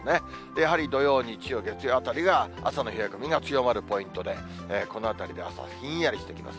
やはり土曜、日曜、月曜あたりが朝の冷え込みが強まるポイントで、このあたりで朝はひんやりしてきます。